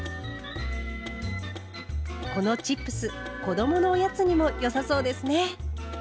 このチップス子どものおやつにも良さそうですね。